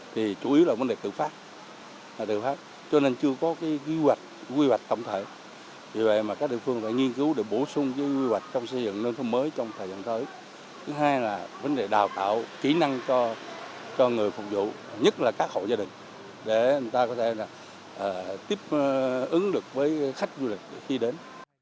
vì vậy công việc chung cầu kỹ năng cho người phục vụ nhất là các hộ gia đình để người ta tiếp ứng được với khách du lịch khi đến